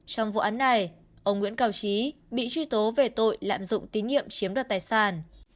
trong vụ án này ông nguyễn cao trí bị truy tố về tội lạm dụng tín nhiệm chiếm đoạt tài sản